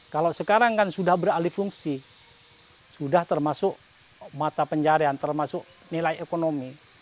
kalau sekarang kan sudah beralih fungsi sudah termasuk mata pencarian termasuk nilai ekonomi